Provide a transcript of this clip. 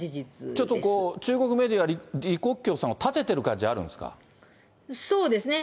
ちょっとこう、中国メディア、李克強さんを立ててる感じあるんそうですね。